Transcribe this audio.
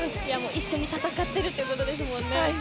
一緒に戦っているということですもんね。